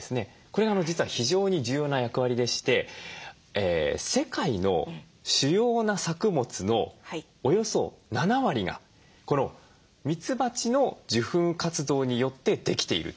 これが実は非常に重要な役割でして世界の主要な作物のおよそ７割がこのミツバチの受粉活動によってできているということなんですよ。